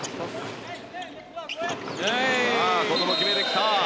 ここも決めてきた。